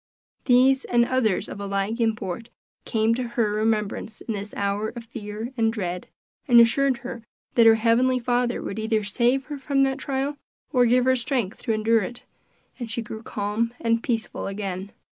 These, and others of a like import, came to her remembrance in this hour of fear and dread, and assured her that her heavenly Father would either save her from that trial, or give her strength to endure it; and she grew calm and peaceful again.